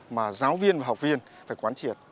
mà giáo viên và học viên phải quán triệt